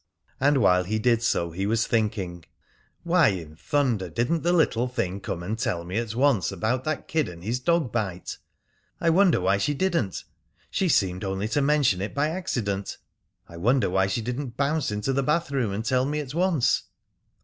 And while he did so he was thinking: "Why in thunder didn't the little thing come and tell me at once about that kid and his dog bite? I wonder why she didn't! She seemed only to mention it by accident. I wonder why she didn't bounce into the bathroom and tell me at once?"